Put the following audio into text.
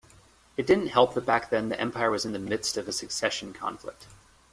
It didn't help that back then the empire was in the midst of a succession conflict.